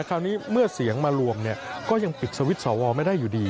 คราวนี้เมื่อเสียงมารวมก็ยังปิดสวิตช์สวไม่ได้อยู่ดี